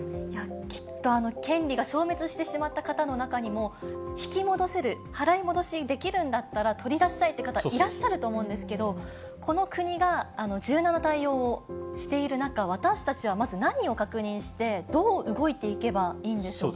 きっと権利が消滅してしまった方の中にも、引き戻せる、払い戻しできるんだったら、取り出したいって方、いらっしゃると思うんですけど、この国が柔軟な対応をしている中、私たちはまず、何を確認して、どう動いていけばいいんでしょうか。